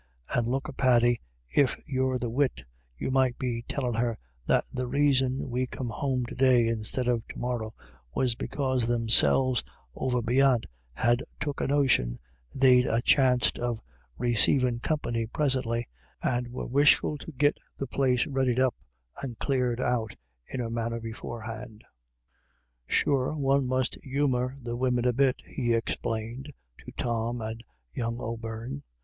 And look a Paddy, if you've the wit, you might be tellin' her that the raison we come home to day instead of to morra was because themselves over beyant had took a notion they'd a chanst of resaivin' company prisently, and were wishful to git the place readied up and clared out in a manner beforehand. Sure 106 IRISH ID YLLS. one must humour the women a bit," he explained to Tom and young O'Beirne.